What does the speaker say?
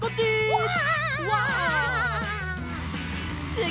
うわ！